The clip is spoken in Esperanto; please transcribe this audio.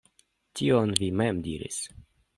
Tion vi mem diris.